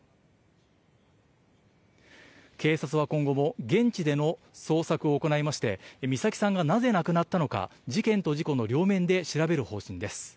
警察は今後も、現地での捜索を行いまして、美咲さんがなぜ亡くなったのか、事件と事故の両面で調べる方針です。